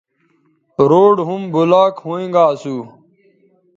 روڈ ھُم بلاکھوینگااسو